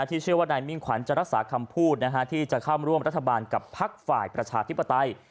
เชื่อว่านายมิ่งขวัญจะรักษาคำพูดที่จะเข้าร่วมรัฐบาลกับพักฝ่ายประชาธิปไตย